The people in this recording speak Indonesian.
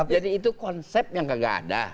jadi itu konsep yang gak ada